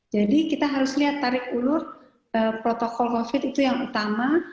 jadi kita harus lihat tarik ulur protokol covid sembilan belas itu yang utama